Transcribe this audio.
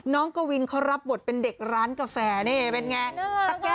น้องกวินเขารับบทเป็นเด็กร้านกาแฟนี่เป็นไงน่ารักมาก